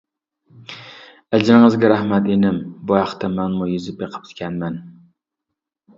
ئەجرىڭىزگە رەھمەت ئىنىم. بۇ ھەقتە مەنمۇ يېزىپ بېقىپتىكەنمەن.